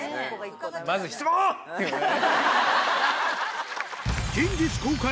まず「質問！」って言うんだね。